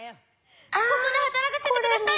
ここで働かせてください。